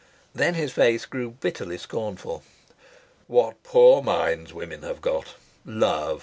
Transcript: Then his face grew bitterly scornful. "What poor minds women have got! Love.